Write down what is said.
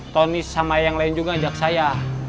tony sama yang lain juga ajak saya